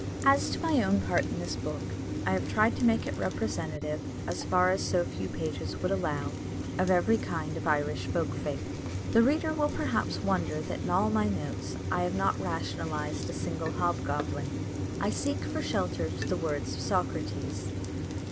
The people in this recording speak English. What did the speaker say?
As to my own part in this book, I have tried to make it representative, as far as so few pages would allow, of every kind of Irish folk faith. The reader will perhaps wonder that in all my notes I have not rationalised a single hobgoblin. I seek for shelter to the words of Socrates.